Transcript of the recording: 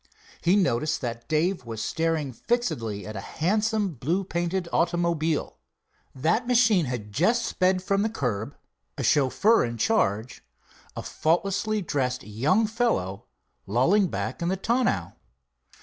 He noticed that Dave was staring fixedly at a handsome blue painted automobile. That machine had just sped from the curb, a chauffeur in charge, a faultlessly dressed young fellow lolling back in the tonneau.